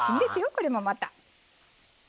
これもまた。